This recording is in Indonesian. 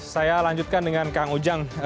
saya lanjutkan dengan kang ujang